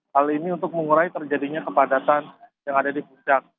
hal ini untuk mengurai terjadinya kepadatan yang ada di puncak